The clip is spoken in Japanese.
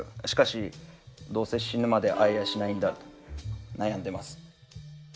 しかしどうせ死ぬまで逢えやしないんだと悩んでます。